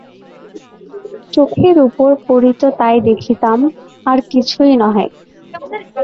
চোখের উপর পড়িত তাই দেখিতাম, আর কিছুই নহে।